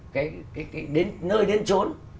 cái nơi đến trốn